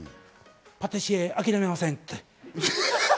パティシエ諦めません。